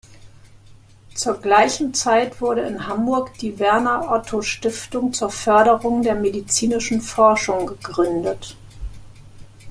Zur gleichen Zeit wurde in Hamburg die Werner-Otto-Stiftung zur Förderung der medizinischen Forschung gegründet.